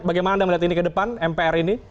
bagaimana anda melihat ini ke depan mpr ini